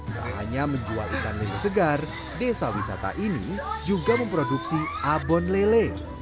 selainnya menjual ikan lele segar desa wisata ini juga memproduksi abon lele